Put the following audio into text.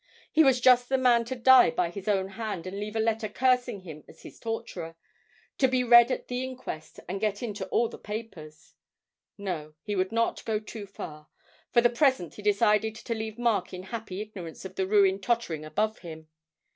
He was just the man to die by his own hand and leave a letter cursing him as his torturer, to be read at the inquest and get into all the papers. No, he would not go too far; for the present he decided to leave Mark in happy ignorance of the ruin tottering above him.